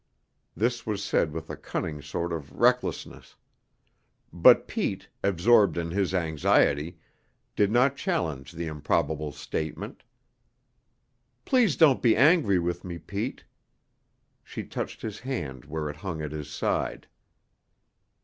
This was said with a cunning sort of recklessness; but Pete, absorbed in his anxiety, did not challenge the improbable statement. "Please don't be angry with me, Pete." She touched his hand where it hung at his side.